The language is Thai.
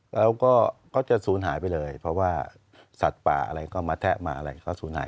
แล้วก็จะศูนย์หายไปเลยเพราะว่าสัตว์ป่าอะไรก็มาแทะมาอะไรก็ศูนย์หาย